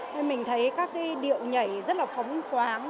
thế mình thấy các cái điệu nhảy rất là phóng khoáng